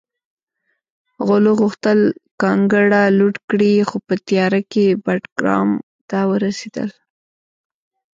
غلو غوښتل کانګړه لوټ کړي خو په تیاره کې بټګرام ته ورسېدل